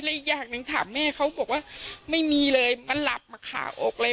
อีกอย่างหนึ่งถามแม่เขาบอกว่าไม่มีเลยมาหลับมาขาอกเลย